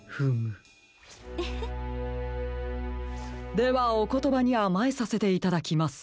ではおことばにあまえさせていただきます。